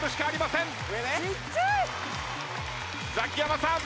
ザキヤマさん。